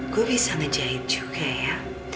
gue bisa ngejahit juga ya